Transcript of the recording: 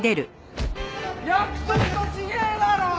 約束と違えだろ！